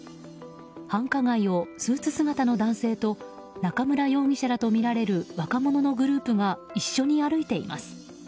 繁華街をスーツ姿の男性と中村容疑者らとみられる若者のグループが一緒に歩いています。